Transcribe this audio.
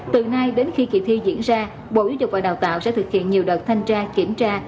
từ nay đến khi kỳ thi diễn ra bộ giáo dục và đào tạo sẽ thực hiện nhiều đợt thanh tra kiểm tra